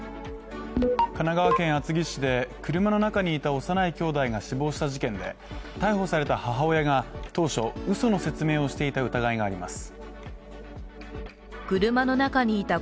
神奈川県厚木市で車の中にいた幼いきょうだいが死亡した事件で、逮捕された母親が当初、うその説明をしていた疑いがあります。